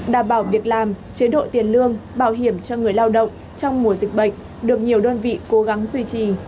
đảm bảo việc làm chế độ tiền lương bảo hiểm cho người lao động trong mùa dịch bệnh được nhiều đơn vị cố gắng duy trì